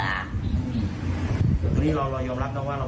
แต่คนเดินมาขายของเขาหลงไง